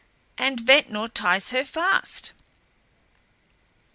And Ventnor ties her fast."